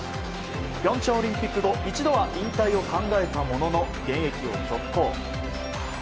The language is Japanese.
平昌オリンピック後一度は引退を考えたものの現役を続行。